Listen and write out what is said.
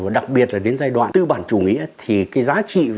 và đặc biệt là đến giai đoạn tư bản chủ nghĩa